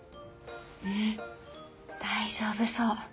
うん大丈夫そう。